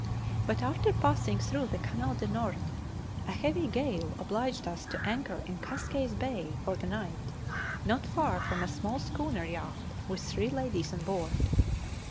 But after passing through the Canal del Norte a heavy gale obliged us to anchor in Cascaes Bay for the night, not far from a small schooner yacht with three ladies on board.